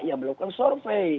yang melakukan survei